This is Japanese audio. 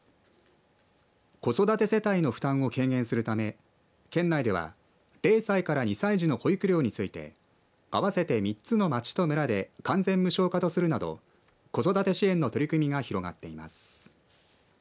子育て世帯の負担を軽減するため県内では０歳から２歳児の保育料について合わせて３つの町と村で完全無償化とするなど子育て支援の取り組みが広がっています。